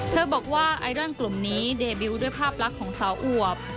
เธอบอกว่าไอดอลกลุ่มนี้เดบิลด้วยภาพลักษณ์ของสาวอวบ